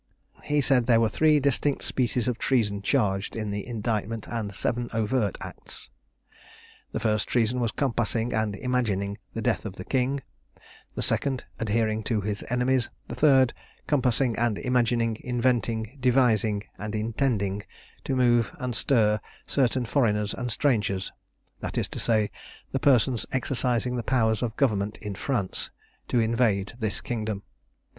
He said there were three distinct species of treason charged in the indictment and seven overt acts. The first treason was compassing and imagining the death of the king; the second, adhering to his enemies; the third, compassing and imagining, inventing, devising and intending, to move and stir certain foreigners and strangers, that is to say, the persons exercising the powers of government in France, to invade this kingdom.